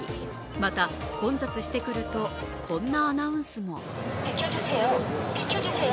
また混雑してくるとこんなアナウンスも。